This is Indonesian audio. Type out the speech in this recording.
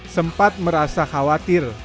sempat merasa khawatir